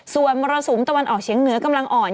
ส่วนมรสุมตะวันออกเฉียงเหนือกำลังอ่อน